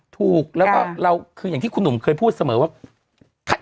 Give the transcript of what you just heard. ถูกแล้วก็เราคืออย่างที่คุณหนุ่มเคยพูดเสมอว่า